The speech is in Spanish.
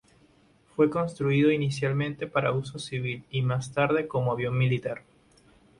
Fue construido inicialmente para uso civil y más tarde como avión militar.